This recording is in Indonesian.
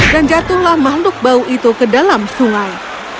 dan jatuhlah makhluk bau itu ke dalam sungai